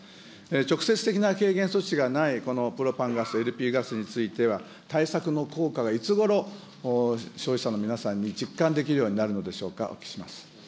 直接的な軽減措置がないこのプロパンガス、ＬＰガスについては、対策の効果がいつごろ、消費者の皆さんに実感できるようになるのでしょうか。